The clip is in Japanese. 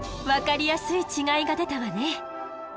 分かりやすい違いが出たわね。